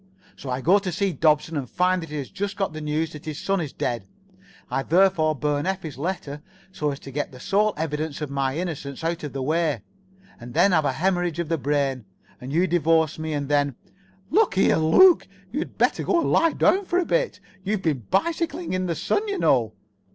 So I go to see Dobson and find that he has just got the news that his son is dead. I therefore burn Effie's letter so as to get the sole evidence of my innocence out of the way, and then have a hæmorrhage of the brain. And you divorce me, and then——" "Look here, Luke, you'd better go and lie down for a little. You've been bicycling in the sun, you know."